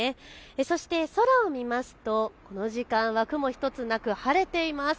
そして空を見ますと、この時間は雲１つなく晴れています。